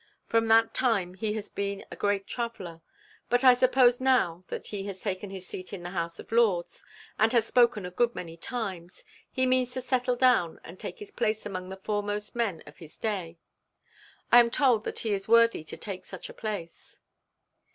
From that time he has been a great traveller. But I suppose now that he has taken his seat in the House of Lords, and has spoken a good many times, he means to settle down and take his place among the foremost men of his day. I am told that he is worthy to take such a place.'